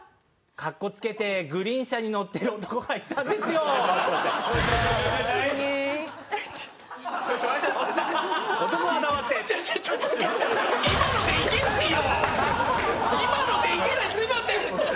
かっこつけてグリーン車に乗ってる男がいたんですよ。